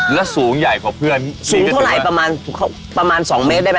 แล้วสูงใหญ่กว่าเพื่อนสูงเท่าไหร่ประมาณ๒เมตรได้ไหม